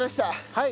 はい。